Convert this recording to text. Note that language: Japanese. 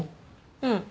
うん。